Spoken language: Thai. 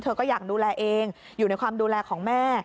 ก็อยากดูแลเองอยู่ในความดูแลของแม่